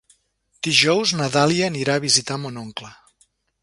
Dijous na Dàlia anirà a visitar mon oncle.